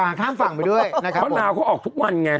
ข้ามฝั่งไปด้วยนะครับเพราะนาวเขาออกทุกวันไง